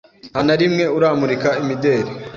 nta na rimwe uramurika imideri